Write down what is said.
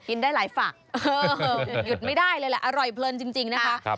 ได้หลายฝักหยุดไม่ได้เลยแหละอร่อยเพลินจริงนะคะ